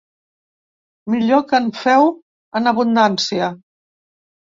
Millor que en feu en abundància.